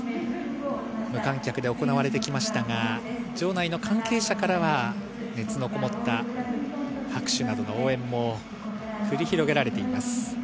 無観客で行われてきましたが、場内の関係者からは熱のこもった拍手や応援も繰り広げられています。